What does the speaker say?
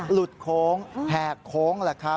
หลุดโค้งแหกโค้ง